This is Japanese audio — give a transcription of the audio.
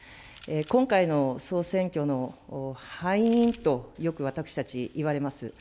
今回の総選挙の敗因と、よく私たちいわれます。